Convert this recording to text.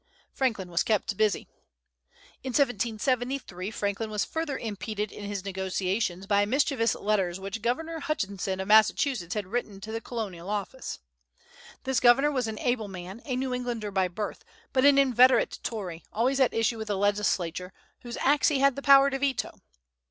Franklin was kept busy. In 1773 Franklin was further impeded in his negotiations by mischievous letters which Governor Hutchinson of Massachusetts had written to the Colonial office. This governor was an able man, a New Englander by birth, but an inveterate Tory, always at issue with the legislature, whose acts he had the power to veto.